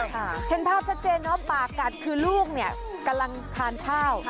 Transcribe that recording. เห็นภาพชัดเจนว่าปากกัดคือลูกเนี่ยกำลังทานข้าว